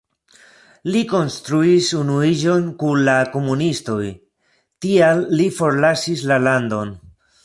Li kontraŭis unuiĝon kun la komunistoj, tial li forlasis la landon.